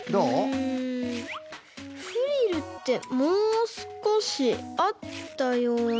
うんフリルってもうすこしあったような。